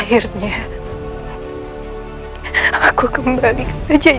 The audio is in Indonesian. akhirnya aku kembali ke jajaran